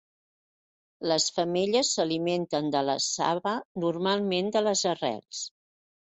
Les femelles s'alimenten de la saba, normalment de les arrels.